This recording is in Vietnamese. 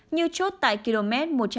như chốt tại km